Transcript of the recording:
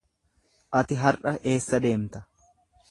Ati har’a eessa deemta?